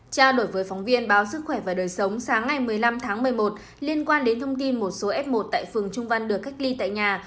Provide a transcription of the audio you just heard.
trao đổi với phóng viên báo sức khỏe và đời sống sáng ngày một mươi năm tháng một mươi một liên quan đến thông tin một số f một tại phường trung văn được cách ly tại nhà